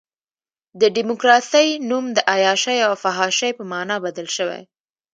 د ډیموکراسۍ نوم د عیاشۍ او فحاشۍ په معنی بدل شوی.